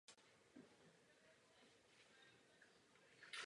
Tyto země nám přímo odpověděly a statut ratifikovaly.